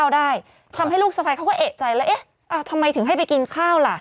ได้ทำให้ลูกสะพายเขาก็เอกใจแล้วเอ๊ะทำไมถึงให้ไปกินข้าวล่ะ